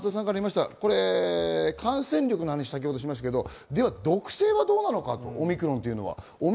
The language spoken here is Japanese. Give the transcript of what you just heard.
感染力の話をしましたが、毒性はどうなのか、オミクロンは。